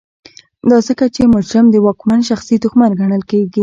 دا ځکه چې مجرم د واکمن شخصي دښمن ګڼل کېده.